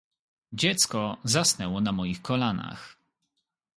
Dziecko zasnęło na moich kolanach.